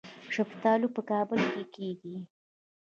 شفتالو په کابل کې کیږي